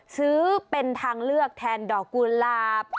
ซื้อเป็นทางเลือกแทนดอกกุหลาบ